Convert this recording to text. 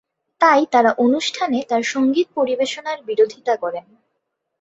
তাই তারা অনুষ্ঠানে তার সংগীত পরিবেশনার বিরোধিতা করেন।